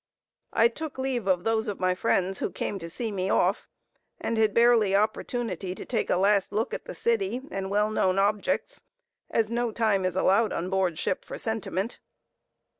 I took leave of those of my friends who came to see me off, and had barely opportunity to take a last look at the city and well known objects, as no time is allowed on board ship for sentiment.